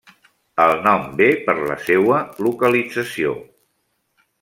El nom ve per la seua localització: